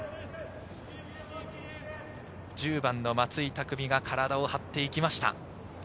１０番・松井匠が体を張っていきました。